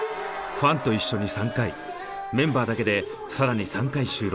ファンと一緒に３回メンバーだけで更に３回収録。